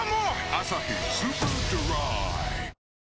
「アサヒスーパードライ」